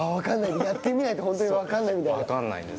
やってみないと、本当に分からないんだ。